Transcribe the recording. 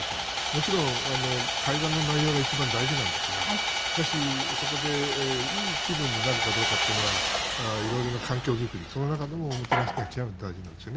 もちろん会談の内容が一番大事なんですがしかし、そこでいい気分になるかどうかというのは色々な環境作りその中でもおもてなしというのは極めて大事なんです。